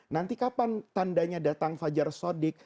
nanti kapan tandanya datang fajar sodik